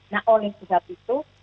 nah oleh sebab itu